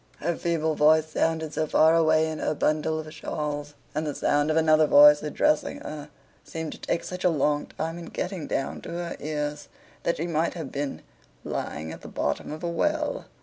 Her feeble voice sounded so far away in her bundle of shawls, and the sound of another voice addressing her seemed to take such a long time in getting down to her ears, that she might have been lying at the bottom of a well.